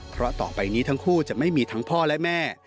เพราะต่อไปนี้ทั้งคู่จะไม่มีทั้งพ่อและแม่